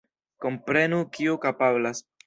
Komprenu kiu kapablas.